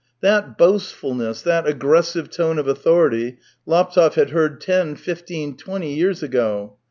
That laoast fulness, that aggressive tone of authority, Laptev had heard ten, fifteen, twenty years ago.